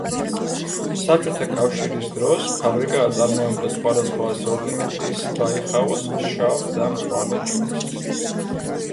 საბჭოთა კავშირის დროს ფაბრიკა აწარმოებდა სხვადასხვა ასორტიმენტის ბაიხაოს შავ და მწვანე ჩაის.